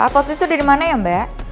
posisi tuh dari mana ya mbak